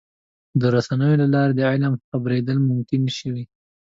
د رسنیو له لارې د علم خپرېدل ممکن شوي.